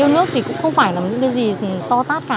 nước thì cũng không phải là những cái gì to tát cả